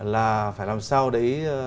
là phải làm sao để